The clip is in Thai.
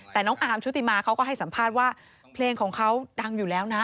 แต่น้องอาร์มชุติมาเขาก็ให้สัมภาษณ์ว่าเพลงของเขาดังอยู่แล้วนะ